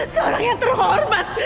seorang yang terhormat